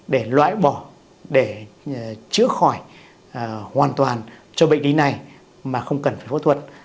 để loại bỏ để chữa khỏi hoàn toàn cho bệnh lý này mà không cần phải phẫu thuật